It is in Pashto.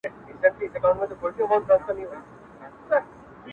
ستا د نظر پلويان څومره په قـهريــږي راته ـ